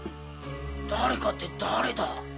誰かって誰だ？